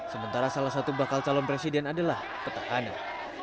sementara salah satu bakal calon presiden adalah petahana